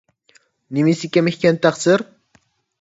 نېمىسى كەم ئىكەن تەقسىر؟